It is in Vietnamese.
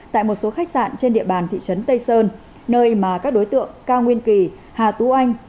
tại một số khách sạn trên địa bàn thị trấn tây sơn nơi mà các đối tượng cao nguyên kỳ hà tú anh